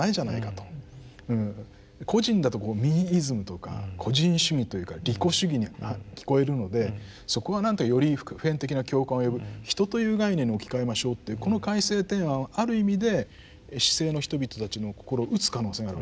「個人」だとこうミーイズムとか個人主義というか利己主義に聞こえるのでそこは何かより普遍的な共感を呼ぶ「人」という概念に置き換えましょうというこの改正提案はある意味で市井の人々たちの心を打つ可能性があるわけですね。